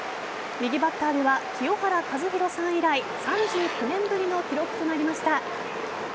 右バッターでは清原和博さん以来３９年ぶりの記録となりました。